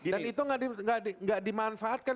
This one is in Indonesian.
dan itu gak dimanfaatkan